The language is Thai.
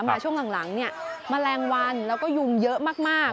มาช่วงหลังเนี่ยแมลงวันแล้วก็ยุงเยอะมาก